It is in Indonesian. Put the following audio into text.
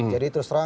jadi terus terang